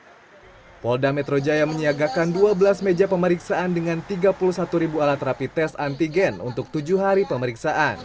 kapolda metro jaya menyiagakan dua belas meja pemeriksaan dengan tiga puluh satu ribu alat rapi tes antigen untuk tujuh hari pemeriksaan